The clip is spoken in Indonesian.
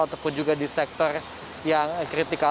ataupun juga di sektor yang kritikal